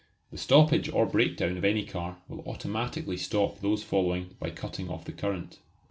The stoppage or breakdown of any car will automatically stop those following by cutting off the current.